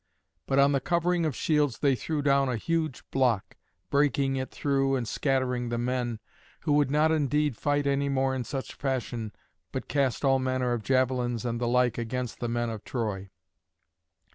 But on the covering of shields they threw down a huge block, breaking it through and scattering the men, who would not indeed fight any more in such fashion, but cast all manner of javelins and the like against the men of Troy.